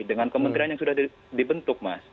dengan kementerian yang sudah dibentuk mas